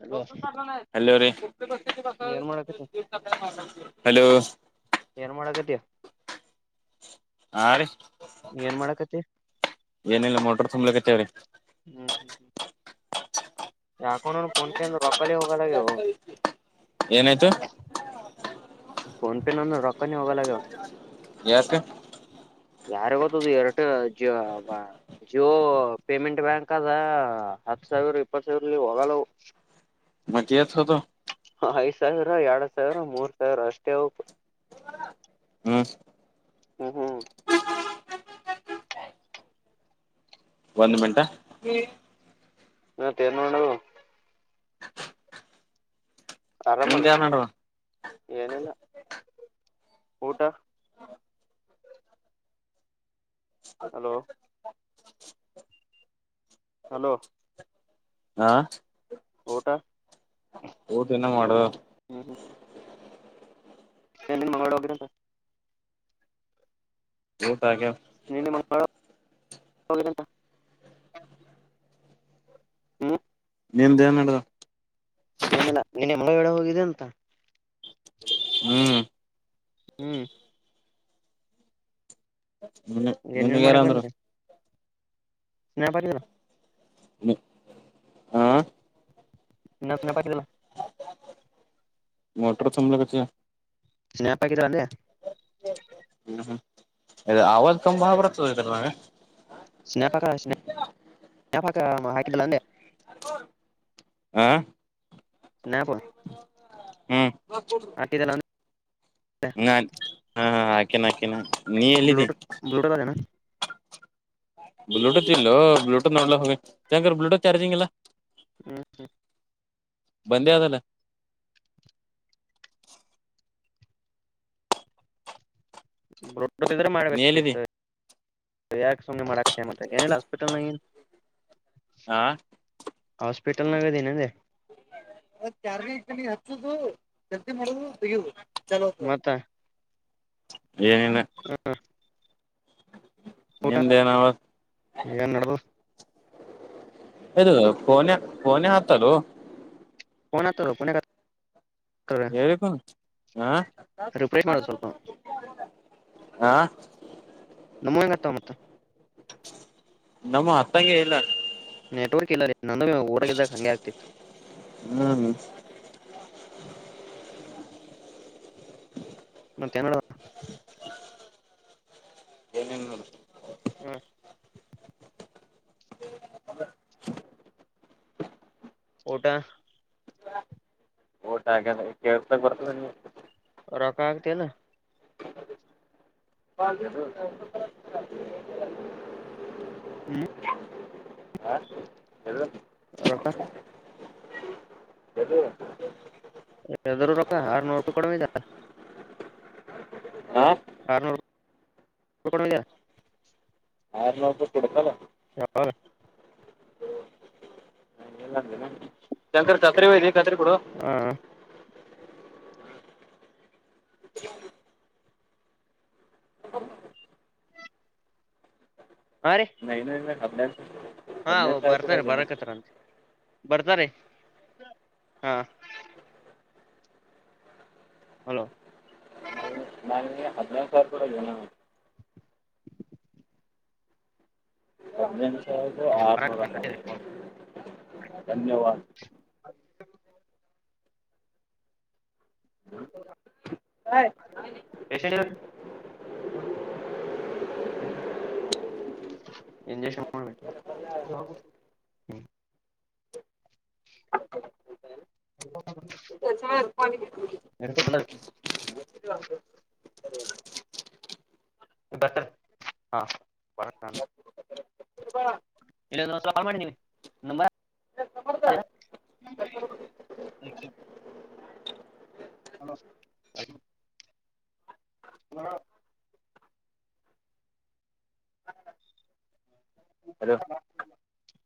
Hello hello ರಿ ಏನ್ ಮಾಡಾಕತಿ ಹಲೋ. ಏನ್ ಮಾಡಕತಿ ಹಾ ರೀ ಏನ್ ಮಾಡಕತಿ ಏನಿಲ್ಲ ನೋಡ್ರಿ ಸುಮ್ನೆ ಕುಂತೇವ್ರಿ ಹ್ಮ್ ಹ್ಮ್ ಹ್ಮ್ ಯಾಕೊ ನೋಡ ಫೋನ್ ಪೇ ಇಂದ ರೊಕ್ಕನೆ ಹೋಗಲ್ಲಗ್ಯಾವು. ಏನಾಯ್ತು ಫೋನ್ ಪೇ ನನವ ರೊಕ್ಕನೆ ಹೋಗಲ್ಲಗ್ಯಾವ ಯಾಕ ಯಾರಿಗ್ ಗೊತ್ತದು ಎರಡ ಜ ಬ ಜಿಯೋ ಪೇಮೆಂಟ್ ಬ್ಯಾಂಕ್ ಅದ ಹತ್ ಸಾವಿರ ಇಪ್ಪತ್ ಸಾವಿರ ಹೋಗಲ್ಲ ಅವು ಮತ್ತೆ ಏಸ ಹೋತವು ಐದ ಸಾವಿರ ಎರಡ್ ಸಾವಿರ ಮೂರ್ ಸಾವಿರ ಅಷ್ಟೇ ಅವು ಹಾಞ ಹ್ಮ್ ಹ್ಮ ಒಂದು ಮೆಂಟ ಹ ಮತ್ತೆ ಏನ್ ನೋಡು ನಿಂದ ಆರಾಮಲ್ಲ ಏನ್ ನಡದ ಏನಿಲ್ಲ ಊಟ ಹಲೋ ಹಲೋ ಹಾ ಊಟ ಊಟ ಇನ ಮಾಡುದಾದ ಎ ಮಂಗಾಡ ಹೋಗರ ಅಂತ ಊಟ ಆಗ್ಯದ ನಿನ್ನೆ ಮಂಗಳೂರು ಹೋದ್ರೇತ ಹ್ಮ ನಿಂದ ಏನ್ ನಡ್ದದ ಏನಿಲ್ಲ ಎ ನಿ ಮನೆಗಡೆ ಹೋಗಿದೆ ಅಂತ ಹ್ಮ್ ಹ್ಮ್ ಏನೇನ್ ನಿನಗ್ ಯಾರ ಮಾಡಿ ಅಂದ್ರು ಬಂದ್ರಿ ಏನೇನ ಮಾಡಿದ್ರು ಹಾ ಇನೊಂದು ಸಲ ಬರ್ರೆಲ್ಲ ಮೊಟರ್ ಸಂಬಲಚ್ಚಾ ಸ್ನ್ಯಾಪ್ ಆಕಿರು ಏನ್ಲೆ ಅಲ್ಲೆ ಹ್ಞ ಇಲ್ಲಪ್ಪ ಇಲ್ಲ ಆವಾಜ್ ಬಾಳ ಬರ್ತ್ತದ ಇದರಾಗ ಸ್ನಾಪಕ ಸ್ ಸ್ನ್ಯಾಪ ಪಕ ಹಾಕಿದ್ದಲ್ಲ ಅಂದೇ ಹಕೋ ಹಾಂ ನ್ಯಾ ಬೋಲೋ ಹ್ಮ್ ಹಾಕಿದೆ ನೀನು ಹ ಹಾ ಹಾ ಹಾಕಿನ ಹಾಕಿನ ನಾನ್ ಬ್ಲೂಟೂತ್ ಬ್ಲೂಟೂತ್ ಹಾಕಣಾ ಬ್ಲೂಟೂತ್ ಇಲ್ಲೋ ಬ್ಲೂಟೂತ್ ನೋಡ್ಲಾಕ ಹೋಗಾ [unintelligible] ಬ್ಲೂಟೂತ್ ಚಾರ್ಜಿಂಗ್ ಇಲ್ಲಾ. [unintelligible] ಬಂದೇ ಆದಲ್ಲ. ಬ್ಲೂಟೂತ್ ಇದ್ರೆ ನೀ ಎಲ್ಲಿದಿ ಮಾಡ್ಬೇಕಾಗಿತ್ತು ಯಾಕ ಸುಮ್ನೆ ಮಾಡಕ ಹಚ್ಚಾಳ್ ಮತ್ತ್ ಅಕಿ ಏನಿಲ್ಲ ಹಾಸ್ಪಿಟಲ್ ನ ಹಾ ಹಾಸ್ಪಿಟಲ್ನಾಗ ಅದಿನ ಅಂದೆ. ಅದನ್ ಚಾರ್ಜ ಇಟ್ಟಿಲ್ಲಿಗ ಹಚ್ಚುದು ಕೆಂತಿ ಮಾಡೂದು ತಗಿದು ಚಲೂ [unintelligible] ಮತ್ತ ಏನಿನ. [unintelligible] ಊಟ ನಿಂದೆನಾವತ್ [unintelligible] ಏನ್ ನಡ್ದದ ಇದು ಫೋನ್ಯಾ ಫೋನ್ಯಾ ಹತ್ತದೊ ಫೊನ್ ಹತ್ತದೊ ಪೊನ್ಯಾ ಹೇಳಿಪಾ ಹ್ಮಾ [unintelligible] ರಿಫ್ರೆಶ್ ಮಾಡೋದು ಸ್ವಲ್ಪ [unintelligible] ಹ್ಮಾ ನಮ್ಮುವ ಹೆಂಗ ಹತ್ತಾವ್ ಮತ್ತ್. ನಮ್ಮುವ ಹತ್ತಂಗೆ ಇಲ್ಲಾ. ನೆಟ್ವರ್ಕ್ ಇಲ್ಲ ರೀ ನಾನು ಊರಾಗ ಇದ್ದಾಗ ಹಂಗೆ ಆಗ್ತಿತ್. ಹ್ಮ್ಮ್ ಹ ಕೆನ್ನಡಾ [unintelligible] ಏನೆನ್ [unintelligible] ಹಾ. [unintelligible] ಊಟಾ ಊಟಾ ಆಗ್ಯಾದ ಕೇಳ್ತ್ಸಾಗ ಬರ್ತದೆ ನೀವು. ರೊಕ್ಕಾ ಹಾಕತಿಯೇನ್. [unintelligible] [inaudible] ಹ್ಮ್ ಹಾ ಹೇಳು. ರೊಕ್ಕ [inaudible] ಎದು ಎದ್ರೂ ರೊಕ್ಕಾ ಆರ್ನೂರು ರೂಪಾಯಿ ಕೊಡಾವ [unintelligible] ಹಾ. ಆರ್ನೂರ್ [unintelligible] ಆರ್ನೂರು ರೂಪಾಯಿ ಕೊಡ್ತಲ್ಲ. ಯಾವಾಗ [unintelligible] ಶಂಕರ್ ಕತ್ರಿ ಓಯ್ದಿ ಕತ್ರಿ ಕೊಡು. ಹ್ಮಾ ಹಾ ರೀ [unintelligible] ಹದ್ಮೆಂಟ್ ಹಾ ಬರ್ತಾರೆ ಬರಾಕತ್ತರಂತೆ ಬರ್ತಾರಿ ಹಾ. ಹಲೋ ನಾ ನಿಂಗೆ ಹದ್ನಾರ್ ಸಾವಿರ ಕೂಡದೆನು. ಹದ್ನೆಂಟ್ ಸಾವಿರದಾ ಆರ್ನೂರ [unintelligible] ಧನ್ಯವಾದ. [unintelligible] ಎಷ್ಟ [unintelligible] ಇಂಜೆಕ್ಷನ್ ಮಾಡ [unintelligible] ಹ [unintelligible] [inaudible] [inaudible] [inaudible] [inaudible] ಹಲೋ [inaudible] ಹಲೋ [inaudible]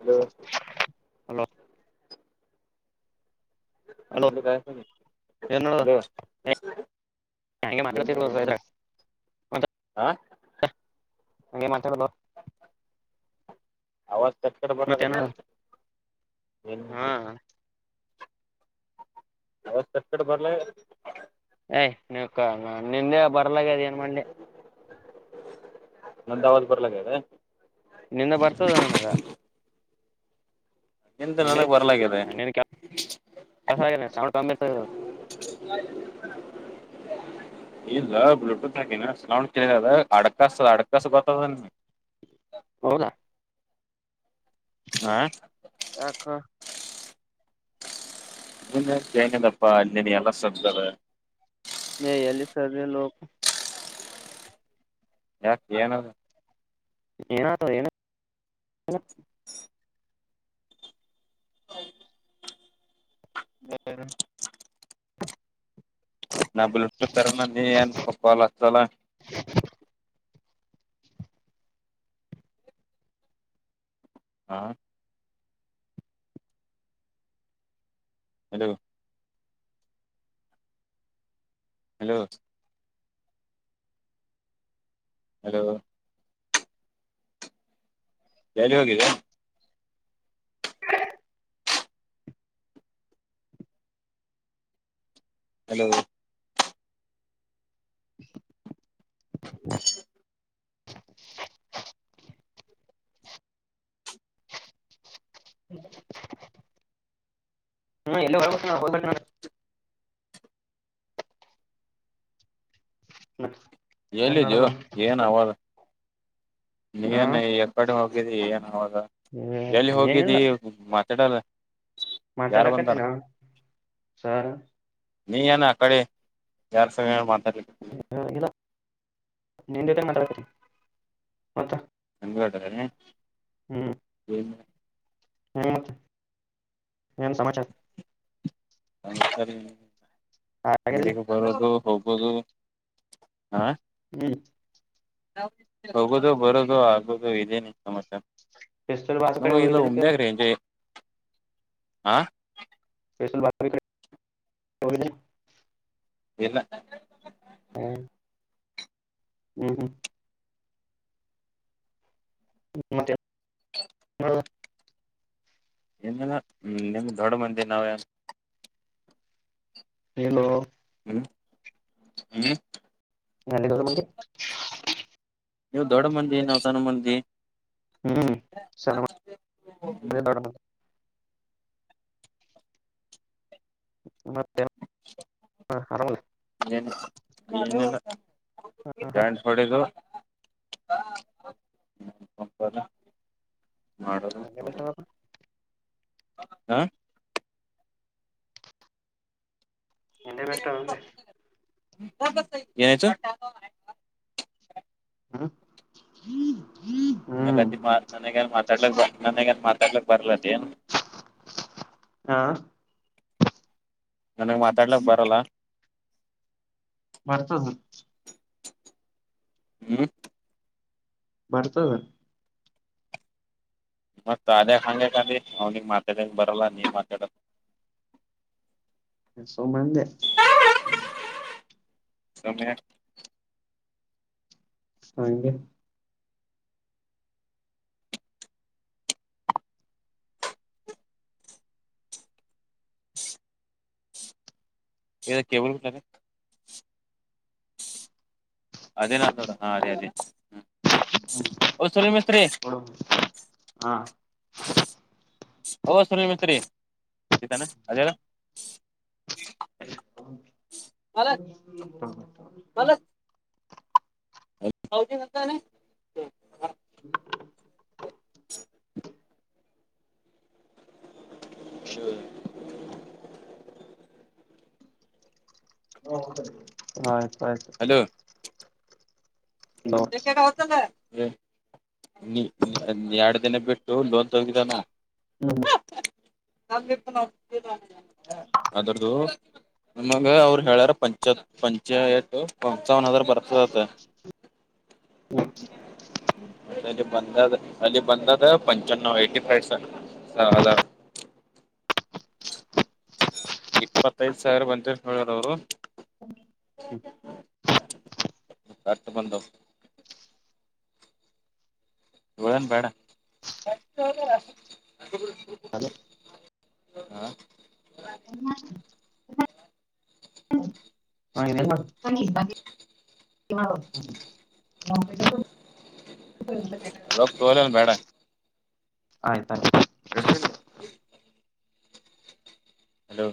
ಹಲೋ ಹಲೋ [inaudible] ಏನ ನಡದದ [unintelligible] ಹಂಗೆ ಮಾತ ಏನು [unintelligible] ಹ ಹಂಗೆ ಮಾತಾಡೋದು ಚಕ್ಕರ ಬರಲಕತ್ತದ ಹ ಇಕಡೆ ಬರಲೇ ಏ [unintelligible] ನಿಂದೆ ಬರಲ್ಲ ಆಗ್ಯದ ಏನ್ ಮಾಡ್ಲಿ ನಂದ ಅವಜಾ ಬರಲ್ಲ ಆಗ್ಯದ ನಿಂದ ಬರ್ತದ ನನಗ ನಿಂದ ನನಗ್ ಬರ್ಲಾಗ್ಯದ [unintelligible] [inaudible] ಇಲ್ಲ ಬ್ಲೂಟೂತ್ ಹಾಕಿನಿ ಸೌಂಡ್ ಕೇಳದ ಅಡ್ಕಾಸ್ ಅಡ್ಕಸ್ ಗೊತ್ತದ ಹೌದಾ ಹಾ ಯಾಕ [unintelligible] ನೀ ಯಲ್ಲಿ ಸರಿಯಿಲ್ಲೋ ಯಾಕ ಏನ್ ಆದ ಏನ ಆದ ಏನು [unintelligible] [unintelligible] [inaudible] ಹಾ ಹಲೋ ಹಲೋ ಹಲೋ ಎಲ್ಲಿ ಹೋಗಿದಿ ಹಲೋ ಹ ಇಲ್ಲೇ [unintelligible] ಏನ್ ಎಲ್ಲೆದೀಯೊ ಮಾಡೋದು ಏನ್ ಅವಾಜ ನೀ ಹಾ ಏನ ಯಕಡಿ ಹೋಗಿದ್ದಿ ಏನ್ ಅವಾಗ ಎಲ್ಲಿ ಹೋಗಿದ್ದಿ ಏನಿಲ್ಲ ಹ್ಮ್ ಮಾತಾಡಲ್ಲ ಯಾರ್ ಬಂದಾರ ಮಾತಾಡಕತ್ತಿನೋ ಸರ್ ನೀ ಏನ ಆ ಕಡೆ ಯಾರ್ [unintelligible] ಮಾತಾಡಿದಿ ಹ ಇಲ್ಲ ನೀನ್ ಜೊತಿನ ಮಾತಾಡಕತಿನಿ ಮತ್ತ [unintelligible] ಹ್ಮ್ ಹ್ಮ ಹೂಂ ಮತ್ತ ಏನ ಸಮಾಚಾರ ಹಾಗೇನಿಲ್ಲ [unintelligible] ಬರೋದು ಹೋಗೋದು ಹಾ ಹ್ಮ್ ಹೋಗೋದು ಬರೋದು ಆಗೋದು ಇದೇನೆ ಸಮಾಚಾರ. ಪೆಸ್ತೂಲ್ ಬಾಜು ಕಡೆ ನಮಗಿಲ್ಲ ಹೋಗಿದ್ದಿಲ್ಲ ಕೇಳ [unintelligible] ಸ್ಪೇಷಲ್ ಬಾತ್ [unintelligible] ನೋಡಿಲ್ಲಿ ಇಲ್ಲ ಹ್ಮ ಹ್ಮ್ ಹ್ಮ್ ಮತ್ತೆ [unintelligible] ನೋಡ್ ಬಾ ಏನಿಲ್ಲ ನಿಮ್ಗೆ ದೊಡ್ಡ ಮಂದಿ ನಾವ ಯಾರ? ಇಲ್ಲೋ ಹ್ಮ್ ಹ್ಮ್ [unintelligible] ಮಂದಿ ನೀವ ದೊಡ್ಡ ಮಂದಿ ನಾವ ಸಣ್ಣ ಮಂದಿ. ಹ್ಮ್ ಸಣ್ಣ ಮ [unintelligible] ದೊಡ್ ಮಂದಿ ಮತ್ತ್ [unintelligible] ಹಾ ಆರಮಲ್ [unintelligible] ಹ್ಮ [unintelligible] ನಿಂಗೆನ್ ಇಷ್ಟದ? ಆ ನಿಂಗೆನ್ ಇಷ್ಟಾದ್ ಅಂದೇ ಏನಾಯ್ತು ಹ ನನಗೆ ಅತಿ ಮಾ ನನಗೇನ್ ಮಾತಡ್ಲಕ್ ಬ ನನಗೇನ್ ಮಾತಾಡ್ಲಕ್ಕ ಬರಲ್ಲ ಅಂದೇನ್? ಹಾ ನನಗ್ ಮಾತಾಡ್ಲಾಕ್ ಬರಲ್ಲ ಬರ್ತದ. ಹ್ಮ ಬರ್ತದ. ಮತ್ತ ಆದ್ಯಾಗ್ ಹಂಗ್ ಯಾಕ್ ಅಂದಿ ಅವ್ನಿಗ ಮಾತಾಡಾಕ್ಕ ಬರಲ್ಲ ನೀ ಮಾತಾಡಂತ? ಸುಮ್ಮಂದೆ ಓಕೆ ಹಂಗೆನ್ ಏನ್ ಟೇಬಲ್ ಫ್ಯಾನ್? ಅದೇನಾತ ನೋಡ ಹಾ ಅದೇ ಅದೇ ಹ್ಮ ಓ ಸುನಿಲ್ ಮಿಸ್ತ್ರಿ ಕೊಡೂ ಹಾ ಓ ಸುನಿಲ್ ಮೇಸ್ತ್ರಿ ಇದನ ಅದ ಹೇಳ [inaudible] ಹೌದು ನಂತೆ ಹ [inaudible] [inaudible] ಹಲೋ [inaudible] ಆಯ್ ಆಯ್ತು ಹಲೊ ಹಲೋ ಗ [unintelligible] [inaudible] ಎರಡ್ ದಿನ ಬಿಟ್ಟು ಲೋನ್ ತಗಿದಾನ ಹ್ಮ್ಮ [inaudible] ಅದುರ್ದು ನಮಗ ಅವರು ಹೇಳಾರ ಪಂಚತ್ ಪಂಚಟ್ಟು ಪಂಚಾವ ಹದ ಬರ್ತದಂತ್ ಹ್ಮ್ ಮತ್ತೆ ಅಲ್ಲಿ ಬಂದದ ಅಲ್ಲಿ ಬಂದದ ಪಂಚನ್ನವ ಏ್ಟ ಫೈ ಹಾರ್ ಹ [inaudible] ಇಪ್ಪತ್ತೈದ ಸಾವಿರ ಬಂತರ ಅವರು ಹ್ಮ್ ಓದು [inaudible] ಬಂದವು ಗುಳೆನ್ ಬ್ಯಾಡ ಹಲೋ ಹಾ ಹ [inaudible] [inaudible] ರೊಕ್ಕ ತೋಲನ್ ಬೇಡ ಆಯ್ತ ಆಯ್ತು ಹ ಹಲೋ